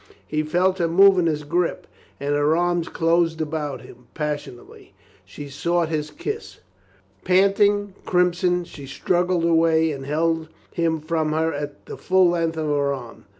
He felt her move in his grip and her arms closed about him passionately. She sought his kiss ... Panting, crimson, she struggled away and held him from her at the full length of her arm.